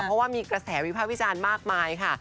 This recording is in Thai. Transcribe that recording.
เพราะว่ามีกระแสวิภาควิจารณ์มากมายค่ะ